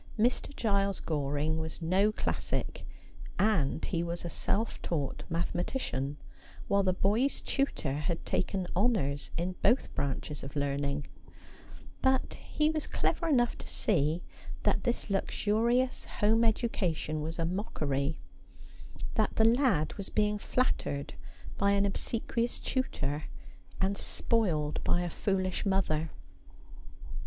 Mr. Giles Goring was no classic, and he was a self taught mathematician, while the boy's tutor had taken honours in both branches of learning ; but he was clever enough to see that this luxurious home education v/as a mockery, that tho lad was being flattered by an obsequious 'And in My Herte icondren I Began.^ 189 tutor, and spoiled by a foolish mother.